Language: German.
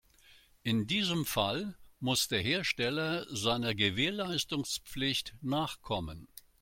In diesem Fall muss der Hersteller seiner Gewährleistungspflicht nachkommen.